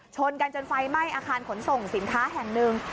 ชนกันจนไฟไหม้อาคารขนส่งสินค้าแห่งหนึ่ง